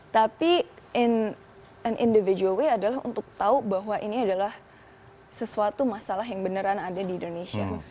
tapi and individual way adalah untuk tahu bahwa ini adalah sesuatu masalah yang beneran ada di indonesia